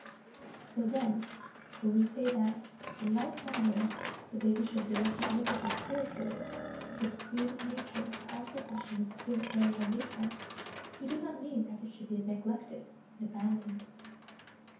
So then, when we say that in like manner the baby should be left at liberty spiritually, because creative Nature can also fashion its spirit better than we can, we do not mean that it should be neglected and abandoned.